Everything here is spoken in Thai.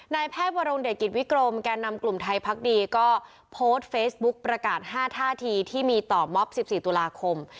นายแพทย์วรงเดชกิจวิกรมแก่นำกลุ่มไทยพักดีก็โพสต์เฟซบุ๊กประกาศ๕ท่าทีที่มีต่อม็อบ๑๔ตุลาคม